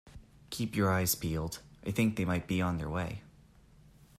Keep your eyes peeled! I think they might be on their way.